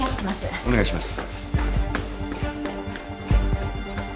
お願いします。